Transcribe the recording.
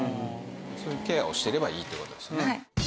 そういうケアをしていればいいって事ですよね。